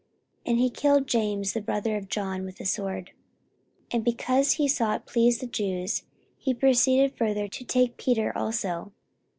44:012:002 And he killed James the brother of John with the sword. 44:012:003 And because he saw it pleased the Jews, he proceeded further to take Peter also.